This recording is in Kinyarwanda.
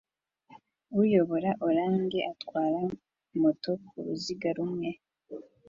Uyobora orange atwara moto ku ruziga rumwe